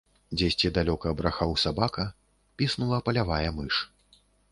Дзесьці далёка брахаў сабака, піснула палявая мыш.